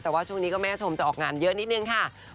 แต่ว่าช่วงนี้ก็แม่ชมจะออกงานเยอะนิดนึงค่ะ